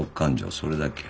それだけや。